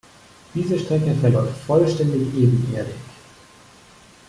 Diese Strecke verläuft vollständig ebenerdig.